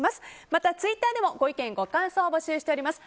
またツイッターでもご意見、ご感想を募集しています。